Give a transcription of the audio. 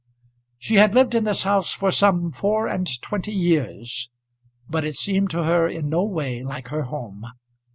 She had lived in this house for some four and twenty years, but it seemed to her in no way like her home.